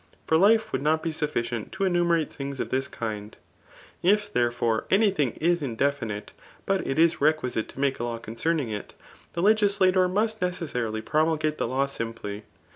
For life would not be sufficient to enumeratte things of this kind; if^ therefore, any thing is indefinite ; but it is requiate t?e flsake a law concerning ity the legislator must necessarily plxxnulgate the law simply.